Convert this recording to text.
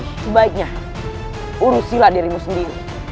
sebaiknya urusilah dirimu sendiri